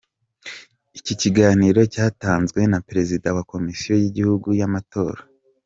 Iki kiganiro cyatanzwe na Perezida wa Komisiyo y’Igihugu y’amatora Prof.